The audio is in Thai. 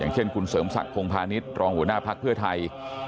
เช่นคุณเสริมศักดิ์พงพาณิชย์รองหัวหน้าภักดิ์เพื่อไทย